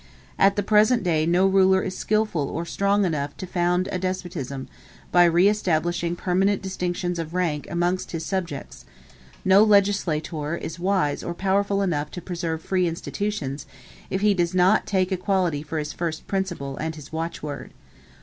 At the present day no ruler is skilful or strong enough to found a despotism, by re establishing permanent distinctions of rank amongst his subjects: no legislator is wise or powerful enough to preserve free institutions, if he does not take equality for his first principle and his watchword.